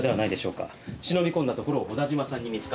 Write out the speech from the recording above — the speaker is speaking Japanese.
忍び込んだところを小田嶋さんに見つかって乱闘に。